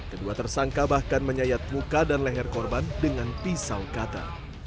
kedua tersangka bahkan menyayat muka dan leher korban dengan pisau kata